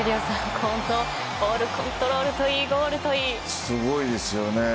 このボールコントロールといいすごいですよね。